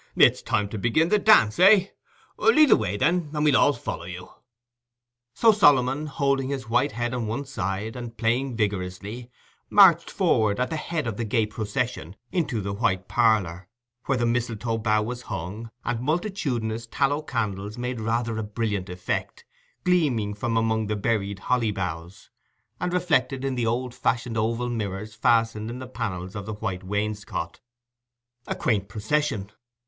"It's time to begin the dance, eh? Lead the way, then, and we'll all follow you." So Solomon, holding his white head on one side, and playing vigorously, marched forward at the head of the gay procession into the White Parlour, where the mistletoe bough was hung, and multitudinous tallow candles made rather a brilliant effect, gleaming from among the berried holly boughs, and reflected in the old fashioned oval mirrors fastened in the panels of the white wainscot. A quaint procession!